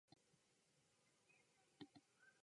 彼は首相にインタビューした。